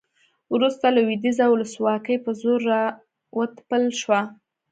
وروسته لویدیځه ولسواکي په زور راوتپل شوه